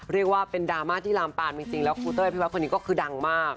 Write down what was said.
เรียกว่าเป็นดราม่าที่ลามปามจริงแล้วครูเต้ยพี่วัดคนนี้ก็คือดังมาก